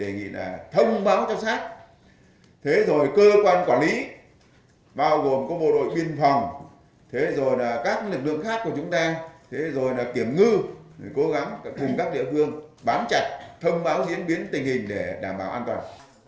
ngư cố gắng cùng các địa phương bám chặt thông báo diễn biến tình hình để đảm bảo an toàn